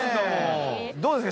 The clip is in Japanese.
どうですか？